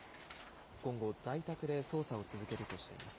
今後、在宅で捜査を続けるとしています。